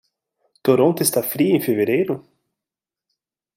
Toronto está fria em fevereiro?